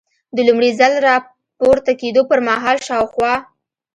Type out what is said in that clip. د لومړي ځل را پورته کېدو پر مهال شاوخوا.